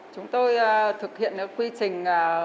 chúng tôi thực hiện quy trình